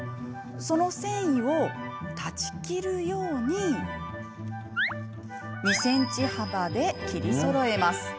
その繊維を断ち切るように２ｃｍ幅で切りそろえます。